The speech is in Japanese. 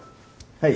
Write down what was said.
はい。